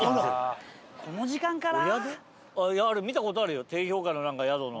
見た事あるよ低評価の何か宿の。